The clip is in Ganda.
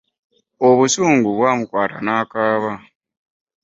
Obusungu bwamukwata nakaaba.